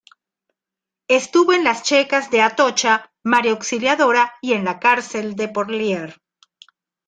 Estuvo en las checas de Atocha, María Auxiliadora y en la Cárcel de Porlier.